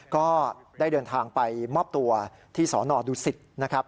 ก็ได้เดินทางไปมอบตัวที่สนดุสิตนะครับ